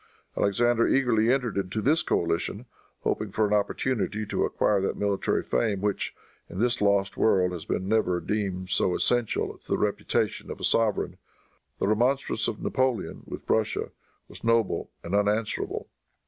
Alexander eagerly entered into this coalition, hoping for an opportunity to acquire that military fame which, in this lost world, has been ever deemed so essential to the reputation of a sovereign. The remonstrance of Napoleon, with Russia, was noble and unanswerable.